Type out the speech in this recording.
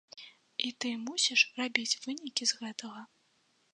І ты мусіш рабіць вынікі з гэтага.